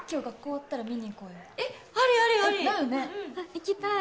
行きたい